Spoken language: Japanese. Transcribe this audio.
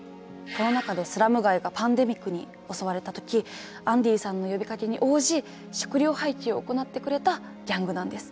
コロナ禍でスラム街がパンデミックに襲われた時アンディさんの呼びかけに応じ食料配給を行ってくれたギャングなんです。